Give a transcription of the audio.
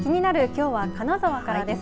きょうは金沢からです。